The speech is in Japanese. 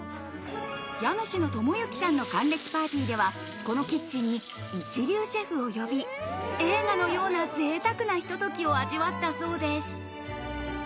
家主の友行さんの還暦パーティーでは、このキッチンに一流シェフを呼び、映画のような贅沢なひとときを味わったそうです。